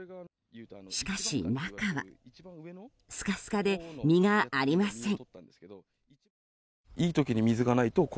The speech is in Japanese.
しかし、中はスカスカで実がありません。